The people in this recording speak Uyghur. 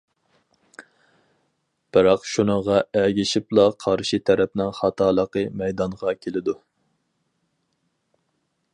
بىراق شۇنىڭغا ئەگىشىپلا قارشى تەرەپنىڭ خاتالىقى مەيدانغا كېلىدۇ.